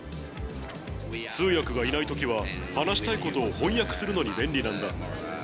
通訳がいないときは、話したいことを翻訳するのに便利なんだ。